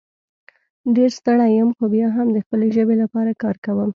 ډېر ستړی یم خو بیا هم د خپلې ژبې لپاره کار کوم